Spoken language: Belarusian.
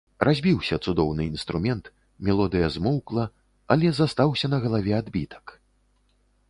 Разбіўся цудоўны інструмент, мелодыя змоўкла, але застаўся на галаве адбітак.